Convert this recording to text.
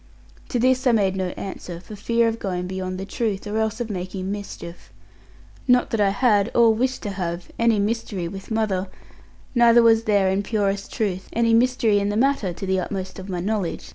To this I made no answer, for fear of going beyond the truth, or else of making mischief. Not that I had, or wished to have, any mystery with mother; neither was there in purest truth, any mystery in the matter; to the utmost of my knowledge.